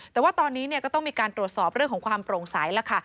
แต่ว่าตอนนี้ก็ต้องมีการตรวจสอบเรื่องของความโปร่งใสแล้วค่ะ